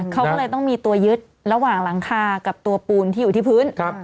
เขาก็เลยต้องมีตัวยึดระหว่างหลังคากับตัวปูนที่อยู่ที่พื้น